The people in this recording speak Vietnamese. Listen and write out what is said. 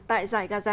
tại giải gaza